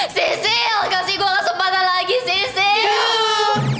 sisil kasih gue kesempatan lagi sisil